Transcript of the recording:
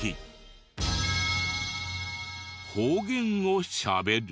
方言をしゃべる？